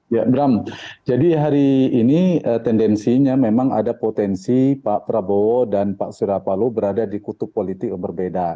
ya bram jadi hari ini tendensinya memang ada potensi pak prabowo dan pak surapalo berada di kutub politik yang berbeda